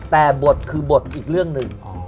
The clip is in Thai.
แต่บทคือบทอีกเรื่องหนึ่ง